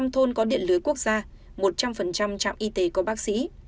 một trăm linh thôn có điện lưới quốc gia một trăm linh trạm y tế có bác sĩ